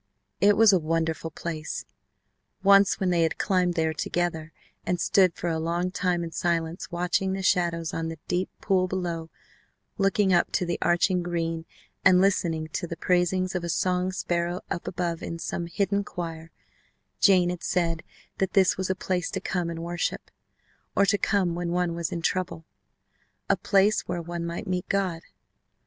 It was a wonderful place. Once when they had climbed there together and stood for a long time in silence watching the shadows on the deep pool below, looking up to the arching green, and listening to the praisings of a song sparrow up above in some hidden choir, Jane had said that this was a place to come and worship or to come when one was in trouble! A place where one might meet God!